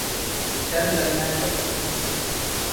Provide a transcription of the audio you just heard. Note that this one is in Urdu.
ڈر لگنا چاہیے۔